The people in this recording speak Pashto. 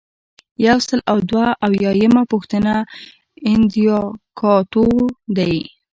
یو سل او دوه اویایمه پوښتنه اندیکاتور دی.